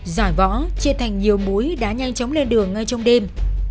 giải võ chia thành nhiều mũi đã nhanh chóng lên đường ngay trong đêm